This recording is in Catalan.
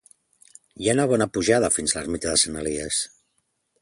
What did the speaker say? Hi ha una bona pujada fins l'ermita de Sant Elies